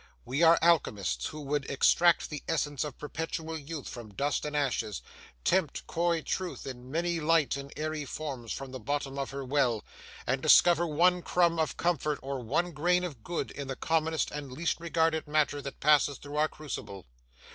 We are alchemists who would extract the essence of perpetual youth from dust and ashes, tempt coy Truth in many light and airy forms from the bottom of her well, and discover one crumb of comfort or one grain of good in the commonest and least regarded matter that passes through our crucible.